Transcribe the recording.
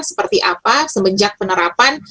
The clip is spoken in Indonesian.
seperti apa semenjak penerapan